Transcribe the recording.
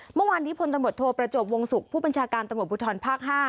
เมื่อวานนี้พลตำรวจโทประจวบวงศุกร์ผู้บัญชาการตำรวจภูทรภาค๕